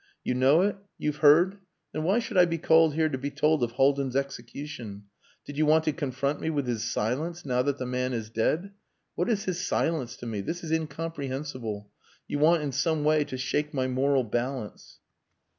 "You know it? You've heard.... Then why should I be called here to be told of Haldin's execution? Did you want to confront me with his silence now that the man is dead? What is his silence to me! This is incomprehensible. You want in some way to shake my moral balance."